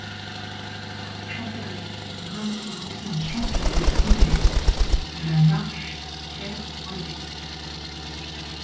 À la chancellerie, nomme son ancien chancelier du comté de La Marche Pierre Rodier.